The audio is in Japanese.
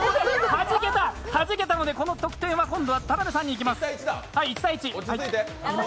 はじけたのでこの得点は田辺さんにいきます。